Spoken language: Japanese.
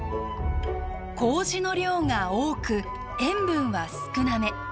こうじの量が多く塩分は少なめ。